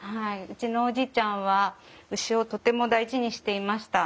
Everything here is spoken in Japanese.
うちのおじいちゃんは牛をとても大事にしていました。